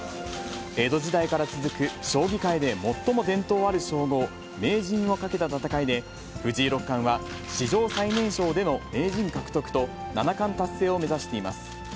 江戸時代から続く、将棋界で最も伝統ある称号、名人をかけた戦いで、藤井六冠は、史上最年少での名人獲得と七冠達成を目指しています。